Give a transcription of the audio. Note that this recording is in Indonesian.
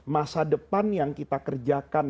masa depan yang kita kerjakan